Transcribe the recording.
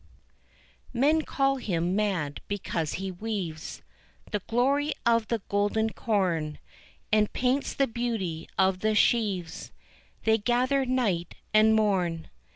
Men call him mad because he weaves The glory of the golden corn And paints the beauty of the sheaves They gather night and morn.